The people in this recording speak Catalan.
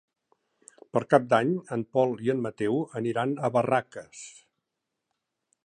Per Cap d'Any en Pol i en Mateu aniran a Barraques.